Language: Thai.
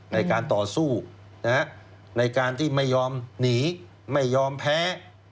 ในการต่อสู้ในการที่ไม่ยอมหนีไม่ยอมแพ้